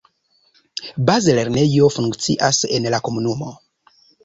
Bazlernejo funkcias en la komunumo.